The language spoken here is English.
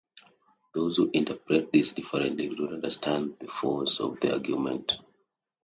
Those who interpret this differently do not understand the force of the argument.